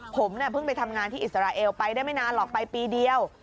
ผมเพิ่งไปทำงานที่อิสราเอลไปได้ไม่นานหรอกไปปีเดียว